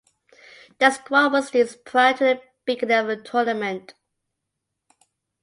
The squad was reduced prior to the beginning of the tournament.